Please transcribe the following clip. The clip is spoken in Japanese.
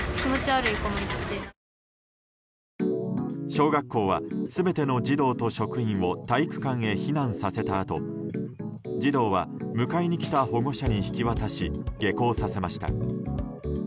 小学校は全ての児童と職員を体育館へ避難させたあと児童は迎えに来た保護者に引き渡し、下校させました。